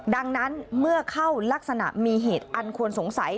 ดังนั้นเมื่อเข้ารักษณะมีเหตุอันควรสงสัย